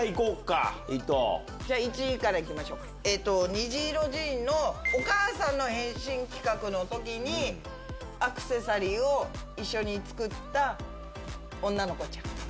『にじいろジーン』のお母さんの変身企画の時にアクセサリーを一緒に作った女の子ちゃん。